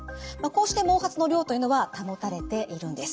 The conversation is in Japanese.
こうして毛髪の量というのは保たれているんです。